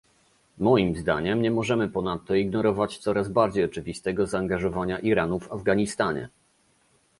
Moim zdaniem nie możemy ponadto ignorować coraz bardziej oczywistego zaangażowania Iranu w Afganistanie